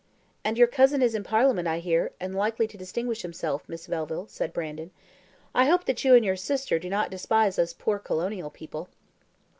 "And your cousin is in Parliament, I hear, and likely to distinguish himself, Miss Melville," said Brandon. "I hope that you and your sister do not despise us poor colonial people."